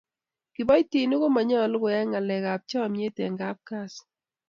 kiboitinik ko manyolu koyai kalekab chomnyet eng kapkazi